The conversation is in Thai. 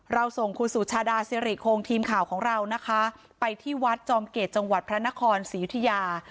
ส่งคุณสุชาดาสิริโครงทีมข่าวของเรานะคะไปที่วัดจอมเกตจังหวัดพระนครศรียุธิยา